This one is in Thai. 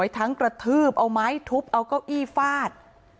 ทั้งกระทืบเอาไม้ทุบเอาเก้าอี้ฟาด